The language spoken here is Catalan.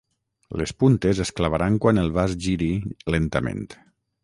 Les puntes es clavaran quan el vas giri lentament.